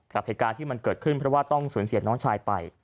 กับเหตุการณ์ที่มันเกิดขึ้นเพราะว่าต้องสูญเสียน้องชายไป